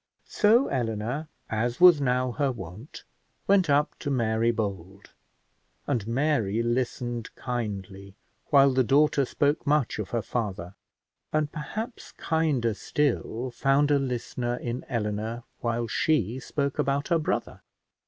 So Eleanor, as was now her wont, went up to Mary Bold, and Mary listened kindly, while the daughter spoke much of her father, and, perhaps kinder still, found a listener in Eleanor, while she spoke about her brother.